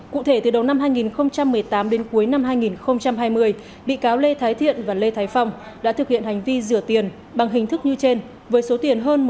cụ thể từ đầu năm hai nghìn một mươi tám đến cuối năm hai nghìn hai mươi bị cáo lê thái thiện và lê thái phong đã thực hiện hành vi rửa tiền bằng hình thức như trên với số tiền hơn một trăm chín mươi ba tỷ đồng